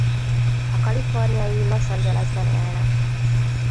A kaliforniai Los Angelesben élnek.